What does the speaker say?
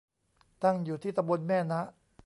ตั้งอยู่ที่ตำบลแม่นะ